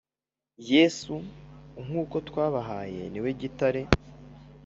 Yesu nk uko twabahaye niwe gitare